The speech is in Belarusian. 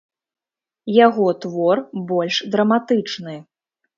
Яго твор больш драматычны.